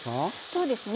そうですね。